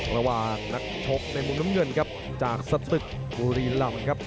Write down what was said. นักชกในมุมน้ำเงินครับจากสตึกบุรีลำครับ